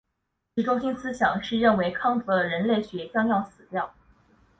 其中心思想是认为康德的人类学将要死掉。